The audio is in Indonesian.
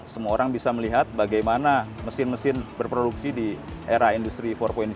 semua orang bisa melihat bagaimana mesin mesin berproduksi di era industri empat